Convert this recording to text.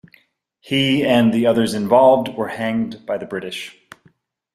He and the others involved were hanged by the British.